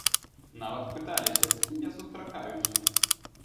Нават пыталіся, з кім я сустракаюся.